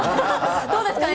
どうですかね？